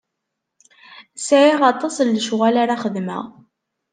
Sɛiɣ aṭas n lecɣal ara xedmeɣ.